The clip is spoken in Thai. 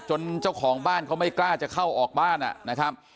เจ้าของบ้านเขาไม่กล้าจะเข้าออกบ้านนะครับ